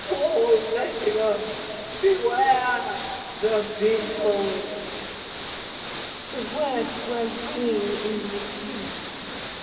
'Paul Lessingham! Beware! The Beetle!' The words were ringing in my ears.